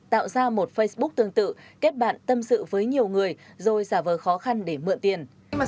tạo ra một facebook tương tự kết bạn tâm sự với nhiều người rồi giả vờ khó khăn để mượn tiền